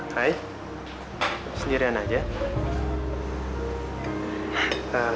hai sendiri aja